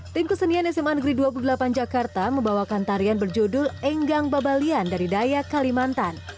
tim kesenian sma negeri dua puluh delapan jakarta membawakan tarian berjudul enggang babalian dari dayak kalimantan